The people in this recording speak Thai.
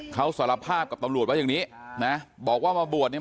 เขาสารภาพกับตำรวจว่าอย่างนี้นะบอกว่ามาบวชเนี่ย